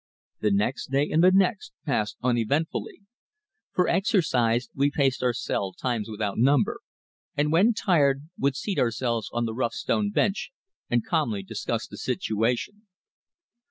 The next day and the next passed uneventfully. For exercise we paced our cell times without number, and when tired would seat ourselves on the rough stone bench and calmly discuss the situation.